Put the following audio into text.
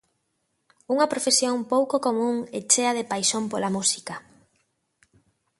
Unha profesión pouco común e chea de paixón pola música.